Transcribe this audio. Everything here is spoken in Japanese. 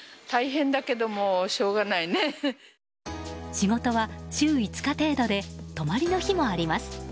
仕事は週５日程度で泊まりの日もあります。